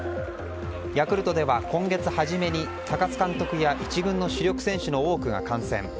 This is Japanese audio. ヤクルトでは今月初めに高津監督や１軍の主力選手の多くが感染。